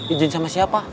ijin sama siapa